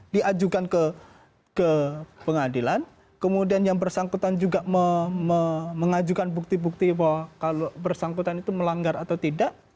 diajukan ke pengadilan kemudian yang bersangkutan juga mengajukan bukti bukti bahwa kalau bersangkutan itu melanggar atau tidak